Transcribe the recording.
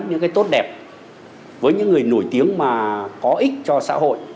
những cái tốt đẹp với những người nổi tiếng mà có ích cho xã hội